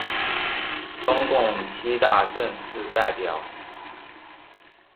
中共七大正式代表。